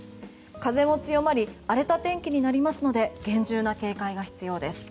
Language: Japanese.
風も強まり荒れた天気になりますので厳重な警戒が必要です。